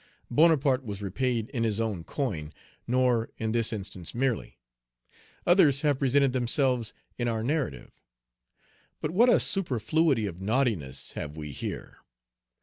Bonaparte was repaid in his own coin, nor in this instance merely: others have presented themselves in our narrative. But what a "superfluity of naughtiness" have we here!